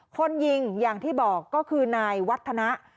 คนยิงอย่างที่บอกก็คือนายวัฒนะ